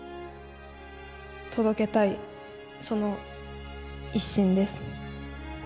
その一心です。